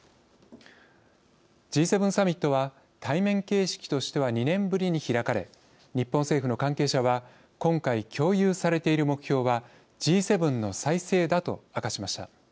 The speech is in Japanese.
Ｇ７サミットは対面形式としては２年ぶりに開かれ日本政府の関係者は今回、共有されている目標はＧ７の再生だと明かしました。